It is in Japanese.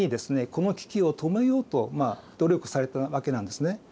この危機を止めようと努力されたわけなんですね。